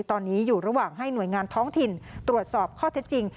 ตอนนี้อยู่ระหว่างให้หน่วยงานท้องถิ่นตรวจสอบข้อเท็จจริง